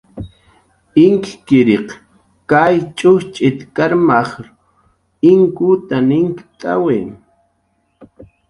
Inkkiriq kay ch'ujchit karmaj inkutn inkt'awi.